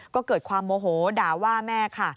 ก็เกิดความโมโหด่าว่าแม่ค่ะ